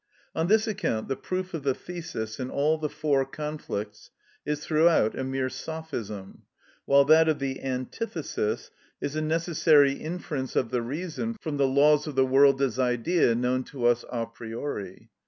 On this account the proof of the thesis in all the four conflicts is throughout a mere sophism, while that of the antithesis is a necessary inference of the reason from the laws of the world as idea known to us a priori.